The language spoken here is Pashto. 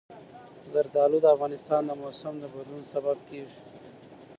زردالو د افغانستان د موسم د بدلون سبب کېږي.